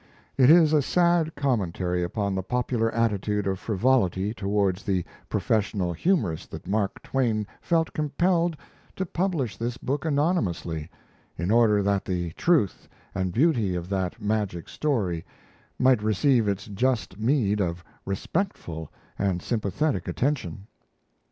It is a sad commentary upon the popular attitude of frivolity towards the professional humorist that Mark Twain felt compelled to publish this book anonymously, in order that the truth and beauty of that magic story might receive its just meed of respectful and sympathetic attention.